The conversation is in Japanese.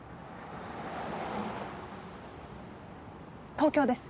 東京です。